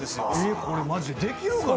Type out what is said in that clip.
これ、マジでできるかな？